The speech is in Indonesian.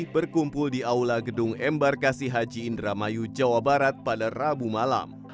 berkumpul di aula gedung embarkasi haji indramayu jawa barat pada rabu malam